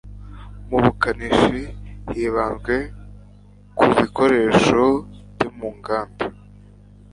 mubukanishi hibanzwe ku ibukoresho byo mu nganda